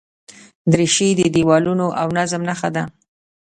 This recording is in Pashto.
دریشي د یووالي او نظم نښه ده.